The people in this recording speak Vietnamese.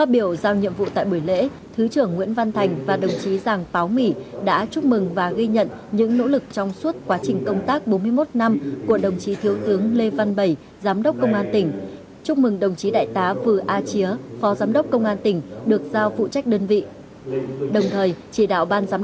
biểu giao nhiệm vụ tại buổi lễ thứ trưởng nguyễn văn thành và đồng chí giàng báo mỹ đã chúc mừng và ghi nhận những nỗ lực trong suốt quá trình công tác bốn mươi một năm của đồng chí thiếu tướng lê văn bảy giám đốc công an tỉnh chúc mừng đồng chí đại tá vừa a chía phó giám đốc công an tỉnh được giao phụ trách đơn vị